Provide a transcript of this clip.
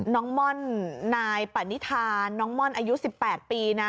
ม่อนนายปณิธานน้องม่อนอายุ๑๘ปีนะ